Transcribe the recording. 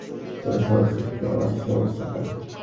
তোর সমস্যাটা কি আমার সমস্যা না?